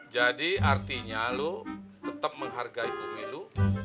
jadi artinya lo tetap menghargai umi lo